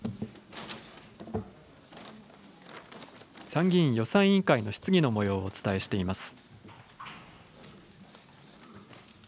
参議院予算委員会の質疑のもようをお伝えしています。